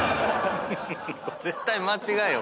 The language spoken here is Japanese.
絶対間違いよ